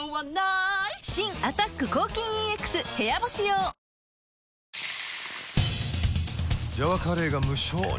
新「アタック抗菌ＥＸ部屋干し用」プシューッ！